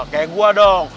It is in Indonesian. kayak gua dong